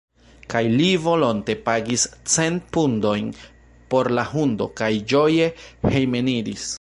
Kaj li volonte pagis cent pundojn por la hundo, kaj ĝoje hejmeniris.